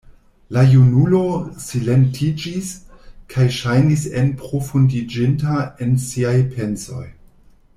La junulo silentiĝis, kaj ŝajnis enprofundiĝinta en siaj pensoj.